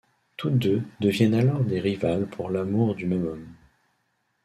Toutes deux deviennent alors des rivales pour l'amour du même homme.